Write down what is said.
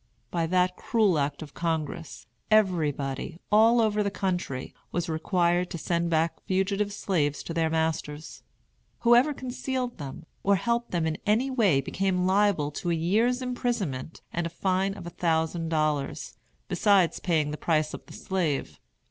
By that cruel act of Congress, everybody, all over the country, was required to send back fugitive slaves to their masters. Whoever concealed them or helped them in any way became liable to a year's imprisonment and a fine of a thousand dollars, besides paying the price of the slave.